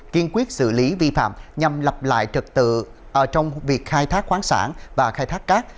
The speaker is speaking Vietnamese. kiên quyết xử lý vi phạm nhằm lập lại trật tự trong việc khai thác khoáng sản và khai thác cát